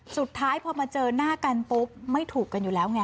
สุดท้ายพอมาเจอหน้ากันปุ๊บไม่ถูกกันอยู่แล้วไง